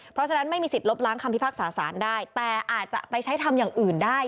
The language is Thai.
เพราะฉะนั้นไม่มีสิทธิลบล้างคำพิพากษาสารได้แต่อาจจะไปใช้ทำอย่างอื่นได้